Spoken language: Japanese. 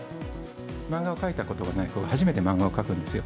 マンガを描いたことがない子が、初めてマンガを描くんですよ。